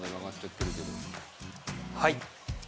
はい。